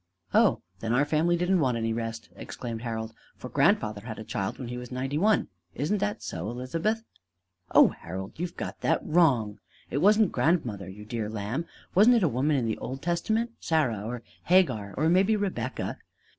"Oh, then our family didn't want any rest," exclaimed Harold; "for grandfather had a child when he was ninety one: isn't that so, Elizabeth?" "Oh, Harold! You've got that wrong. It wasn't grandmother, you dear lamb! Wasn't it a woman in the Old Testament Sarah or Hagar or maybe Rebecca?"